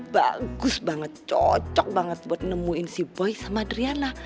bagus banget cocok banget buat nemuin si boy sama driana